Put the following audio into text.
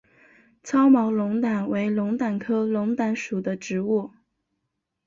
糙毛龙胆为龙胆科龙胆属的植物。